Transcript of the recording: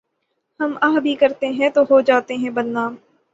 ہم آہ بھی کرتے ہیں تو ہو جاتے ہیں بدنام